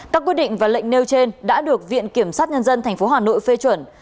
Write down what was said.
các quyết định và lệnh nêu trên đã được viện kiểm sát nhân dân tp hà nội phê chuẩn